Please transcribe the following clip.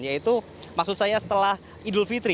yaitu maksud saya setelah idul fitri